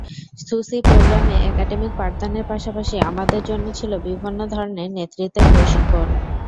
Susi প্রোগ্রামে academic পাঠদানের পাশাপাশি আমাদের জন্য ছিল বিভিন্ন ধরনের নেতৃত্বের প্রশিক্ষণ।